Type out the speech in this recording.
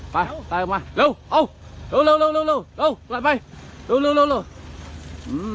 ไปไปออกมารู้รู้รู้รู้รู้รู้